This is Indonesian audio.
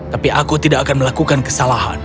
tapi aku tidak akan melakukan kesalahan